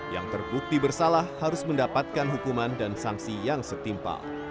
yang terbukti bersalah harus mendapatkan hukuman dan sanksi yang setimpal